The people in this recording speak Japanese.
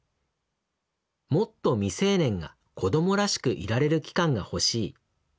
「もっと未成年が子どもらしくいられる期間が欲しい。